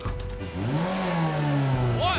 おい！